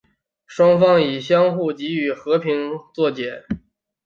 双方以相互给予和平作结。